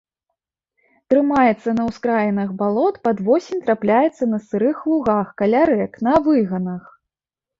Трымаецца на ўскраінах балот, пад восень трапляецца на сырых лугах каля рэк, на выганах.